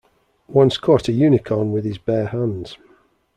Once caught a Unicorn with his bare hands.